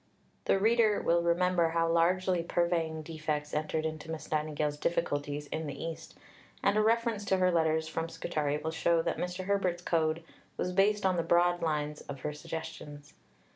The reader will remember how largely purveying defects entered into Miss Nightingale's difficulties in the East, and a reference to her letters from Scutari will show that Mr. Herbert's Code was based on the broad lines of her suggestions.